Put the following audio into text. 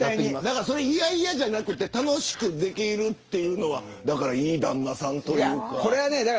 だから、いやいやじゃなくて楽しくできるというのはいい旦那さんというか。